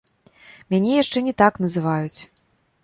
Мяне яшчэ не так называюць!